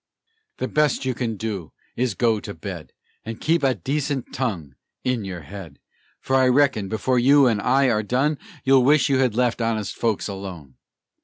"The best you can do is to go to bed, And keep a decent tongue in your head; For I reckon, before you and I are done, You'll wish you had left honest folks alone."